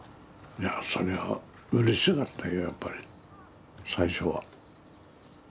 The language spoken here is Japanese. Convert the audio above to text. いやそれはうれしかったよやっぱり最初は。